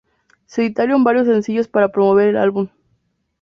Se editaron varios sencillos para promover el álbum.